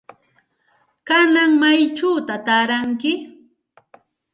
¿Kanan maychawta taaranki?